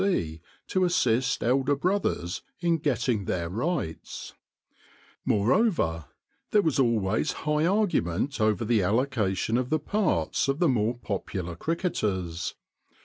C.C. to assist elder brothers in getting their rights. Moreover, REAL CRICKET 115 there was always high argument over the allocation of the parts of the more popular cricketers.